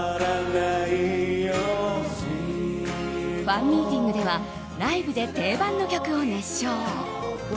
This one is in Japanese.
ファンミーティングではライブで定番の曲を熱唱。